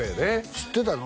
知ってたの？